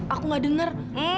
aku gak denger